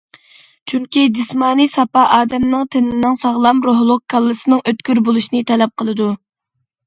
چۈنكى جىسمانىي ساپا ئادەمنىڭ تېنىنىڭ ساغلام، روھلۇق، كاللىسىنىڭ ئۆتكۈر بولۇشىنى تەلەپ قىلىدۇ.